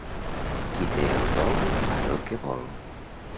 Qui té el dol fa el que vol.